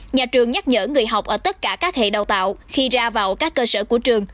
nhà trường nhắc nhở người học ở tất cả các hệ đào tạo khi ra vào các cơ sở của trường